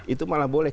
itu malah boleh